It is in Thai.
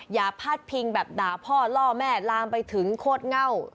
อย่าพาดพิงแบบด่าพ่อล่อแม่ลามไปถึงโคตรเง่า